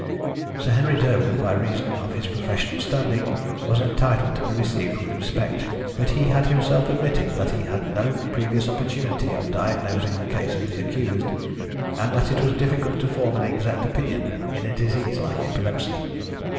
Sir Henry Durwood, by reason of his professional standing, was entitled to be received with respect, but he had himself admitted that he had had no previous opportunity of diagnosing the case of accused, and that it was difficult to form an exact opinion in a disease like epilepsy.